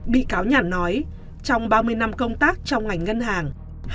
bị cáo nhàn nói trong ba mươi năm công tác trong ngành ngân hàng